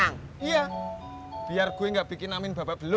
nggak bisa gue lagi kesel